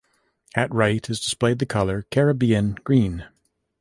At right is displayed the color Caribbean green.